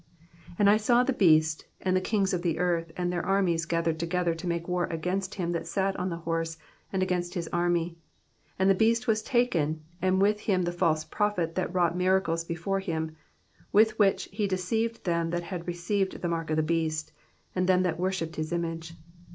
And I saw the beast, and the kings of the earth, and their armies, gathered together to make war against him that sat on the horse, and against his army. And the beast was taken, and with him the false prophet that wrought miracles before bim, with which he deceived them that had received the mark of the beast, and them that worshipped his image.